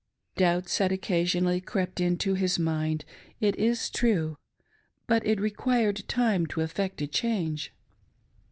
Doubts had occasionally crept into his mind, it is true, but it required time to effect a change.